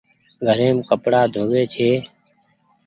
گهريم ڪپڙآ ڌو وي ڇي ۔